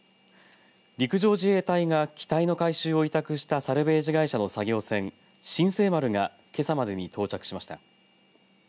陸上自衛隊員が機体の回収を委託したサルベージ会社の作業船新世丸がけさまでに到着しました。